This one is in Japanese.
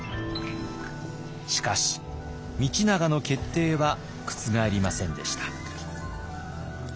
しかし道長の決定は覆りませんでした。